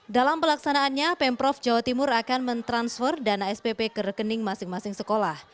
dalam pelaksanaannya pemprov jawa timur akan mentransfer dana spp ke rekening masing masing sekolah